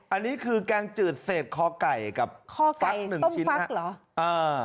อันนี้คือแกงจืดเศษข้อไก่กับฟักหนึ่งชิ้นข้อไก่ต้มฟักเหรอ